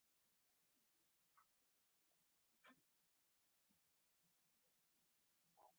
Ćhawpi intiykuptin ñuqa hamapaami.